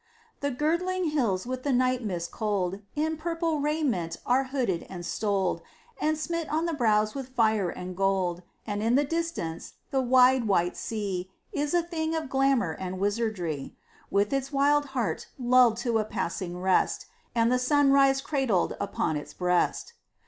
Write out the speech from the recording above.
The girdling hills with the night mist cold In purple raiment are hooded and stoled And smit on the brows with fire and gold; And in the distance the wide, white sea Is a thing of glamor and wizardry, With its wild heart lulled to a passing rest, And the sunrise cradled upon its breast.